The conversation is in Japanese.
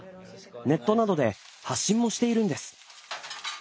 ネットなどで発信もしているんです。